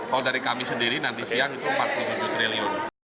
kalau dari kami sendiri nanti siang itu empat puluh tujuh triliun